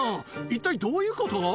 一体どういうこと？